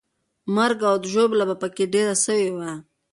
مرګ او ژوبله به پکې ډېره سوې وه.